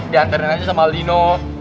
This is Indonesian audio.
dianterin aja sama alino